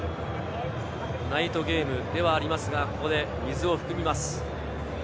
ナイトゲームではありますが、ここで水を含みます。